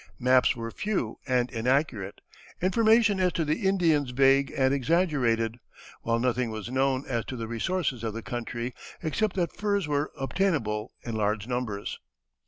Maps were few and inaccurate, information as to the Indians vague and exaggerated, while nothing was known as to the resources of the country except that furs were obtainable in large numbers.